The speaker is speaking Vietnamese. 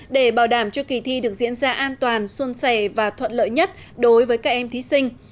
để bảo đảm cho kỳ thi được diễn ra an toàn xuân xẻ và thuận lợi nhất đối với các em thí sinh